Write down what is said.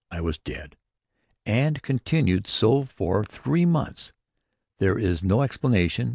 I was dead. And continued so for three months. There is no explanation.